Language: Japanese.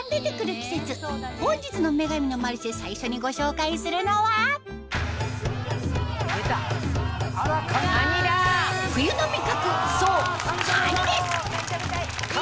季節本日の『女神のマルシェ』最初にご紹介するのはカニ食べたい！